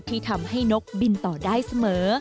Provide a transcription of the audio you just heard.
ที่ทำให้นกบินต่อได้เสมอ